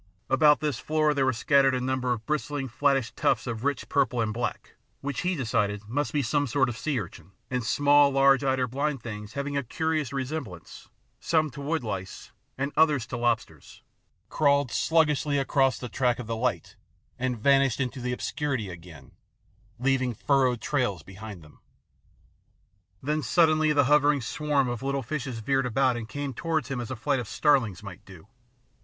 About this floor there were scattered a number of bristling flattish tufts of rich purple and black, which he decided must be some sort of sea urchin, and small, IN THE ABYSS 85 large eyed or blind things having a curious re semblance, some to woodlice, and others to lobsters, crawled sluggishly across the track of the light and vanished into the obscurity again, leaving furrowed trails behind them. Then suddenly the hovering swarm of little fishes veered about and came towards him as a flight of starlings might do.